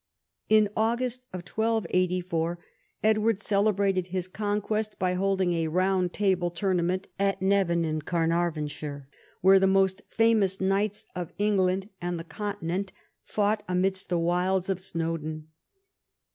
In August 1284 Edward celebrated his conquest by holding a " Eound Table " tournament at Nevin in Carnarvonshire, where the most famous knights of England and the Continent fought amidst the wilds of Snowdon.